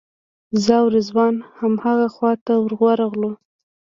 زه او رضوان همغه خواته ورغلو.